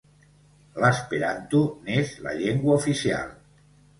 L'esperanto n'és la llengua oficial.